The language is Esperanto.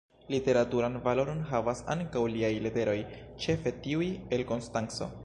Literaturan valoron havas ankaŭ liaj leteroj, ĉefe tiuj el Konstanco.